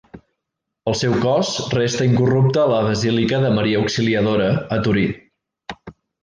El seu cos resta incorrupte a la Basílica de Maria Auxiliadora a Torí.